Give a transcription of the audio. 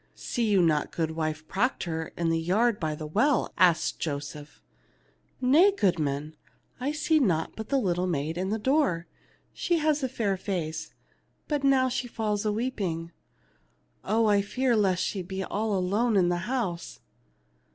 "See you not Goodwife Proctor in the yard by the well ?" asked Joseph. " Xay, goodman ; I see naught but the little maid in the door. She has a fair face, but now she falls a weeping. Oh, I fear lest she be all alone in the house."